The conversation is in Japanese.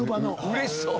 うれしそう！